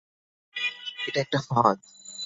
এটা একটা ফাঁদ।